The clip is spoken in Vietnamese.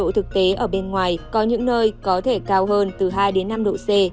thế ở bên ngoài có những nơi có thể cao hơn từ hai năm độ c